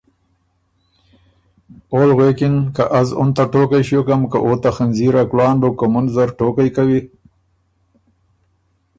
اول غوېکِن که ”از اُن ته ټوقئ ݭیوکم که او ته خنځیر ا کُلان بُو کُومُن زر ټوقئ کوی“